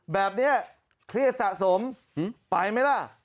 แบบนี้เครียดสะสมไปไหมล่ะ